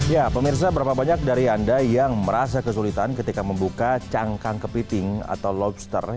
ya pemirsa berapa banyak dari anda yang merasa kesulitan ketika membuka cangkang kepiting atau lobster